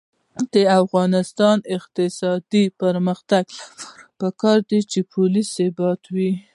د افغانستان د اقتصادي پرمختګ لپاره پکار ده چې پولي ثبات وي.